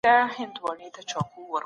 صبر او استقامت د بریا راز دی.